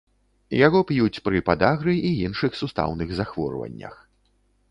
Яго п'юць пры падагры і іншых сустаўных захворваннях.